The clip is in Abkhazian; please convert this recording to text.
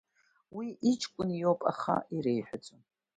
Уигь иҷкәын иоп, аха иреиҳәаӡом.